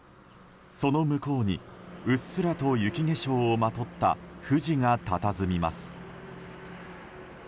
その向こうにうっすらと雪化粧をまとった富士がたたずみます。